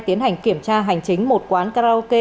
tiến hành kiểm tra hành chính một quán karaoke